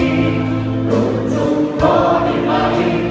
กลุ่มจุภาพได้ไหม